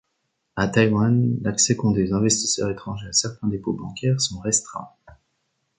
À Taïwan, l'accès qu'ont des investisseurs étrangers à certains dépôts bancaires sont restreintes.